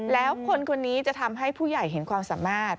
แล้วคนคนนี้จะทำให้ผู้ใหญ่เห็นความสามารถ